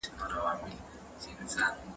د کندز د نوي ښار له لومړیو اوسېدونکو څخه و.